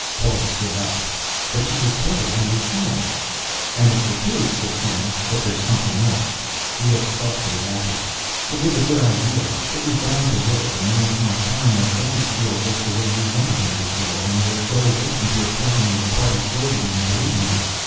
Paula stood up. "But you just told us how you feel " "And it's the truth," said Kieran. "But there's something else." He looked thoughtfully at her. "It was a good idea. It was bound to work a man of my time was bound to feel just this way you wanted him to feel, and would go away from here crying your party slogans and believing them.